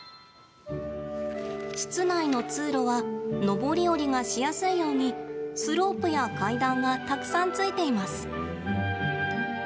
室内の通路は上り下りがしやすいようにスロープや階段がたくさんついています。